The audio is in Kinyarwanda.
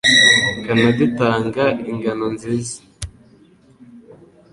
Kanada itanga ingano nziza